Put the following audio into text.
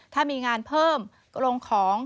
ถ้ามีงานเพิ่มก็ลงของ